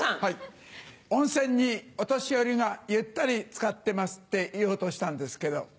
「温泉にお年寄りがゆったりつかってます」って言おうとしたんですけど。